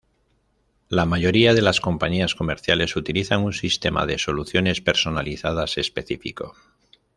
La mayoría de las compañías comerciales utilizan un sistema de soluciones personalizadas específico.